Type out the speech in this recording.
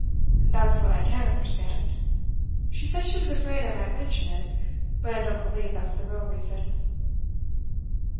'That's what I can't understand. She says she was afraid I might mention it; but I don't believe that's the real reason.